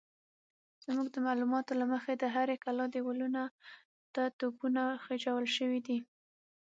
زموږ د معلوماتو له مخې د هرې کلا دېوالونو ته توپونه خېژول شوي دي.